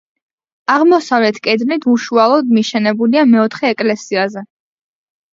აღმოსავლეთ კედლით უშუალოდ მიშენებულია მეოთხე ეკლესიაზე.